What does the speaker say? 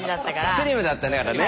スリムだったからね。